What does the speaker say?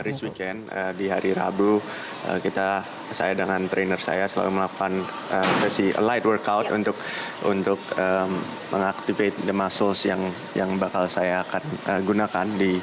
hari weekend di hari rabu saya dengan trainer saya selalu melakukan sesi light workout untuk mengaktifkan muskul yang akan saya gunakan